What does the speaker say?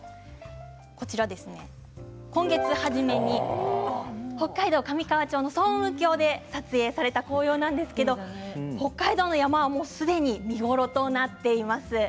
この写真は今月初めに北海道上川町の層雲峡で撮影された紅葉なんですけれど北海道の山は、もうすでに見頃となっています。